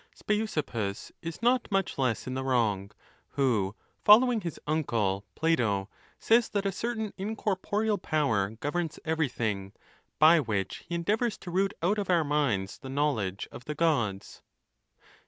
Speusippus is not much less in the wrong; who, following his uncle Plato, says that a certain incorporeal power governs everything; by which he en deavors to root out of our minds the knowledge of the Gods.